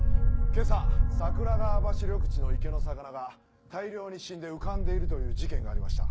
今朝桜川橋緑地の池の魚が大量に死んで浮かんでいるという事件がありました。